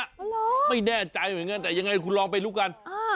เหรอไม่แน่ใจเหมือนกันแต่ยังไงคุณลองไปรู้กันอ่า